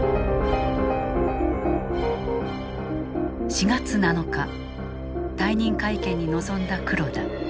４月７日退任会見に臨んだ黒田。